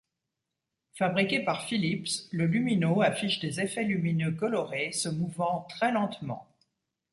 Fabriqué par Philips, le Lumino affiche des effets lumineux colorés se mouvant très lentement.